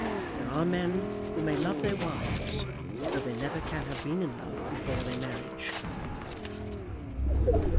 There are men who may love their wives, though they never can have been in love before their marriage.